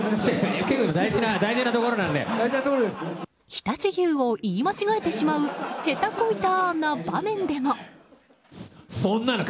常陸牛を言い間違えてしまう下手こいたな場面でも。